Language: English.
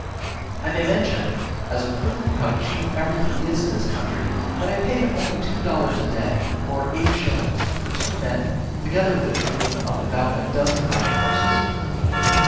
I may mention, as a proof how cheap everything is in this country, that I paid only two dollars a day, or eight shillings, for two men, together with a troop of about a dozen riding horses.